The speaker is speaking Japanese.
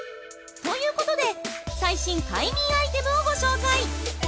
ということで最新快眠アイテムをご紹介。